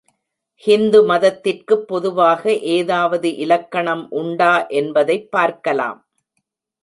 ஹிந்து மதத்திற்குப் பொதுவாக ஏதாவது இலக்கணம் உண்டா என்பதைப் பார்க்கலாம்.